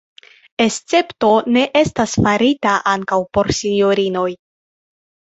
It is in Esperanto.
Escepto ne estis farita ankaŭ por sinjorinoj.